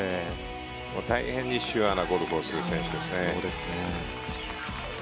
大変にシュアなゴルフをする選手ですね。